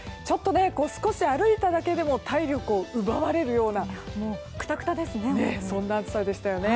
少し歩いただけでも体力を奪われるような暑さでしたね。